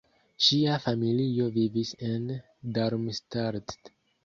Ŝia familio vivis en Darmstadt.